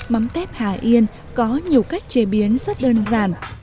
mắm tép hà yên có nhiều cách chế biến rất đơn giản